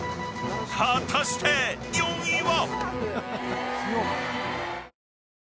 ［果たして４位は⁉］